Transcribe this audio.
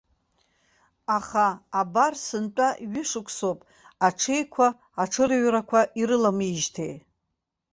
Аха, абар, сынтәа ҩышықәсоуп аҽеиқәа аҽырыҩрақәа ирыламижьҭеи.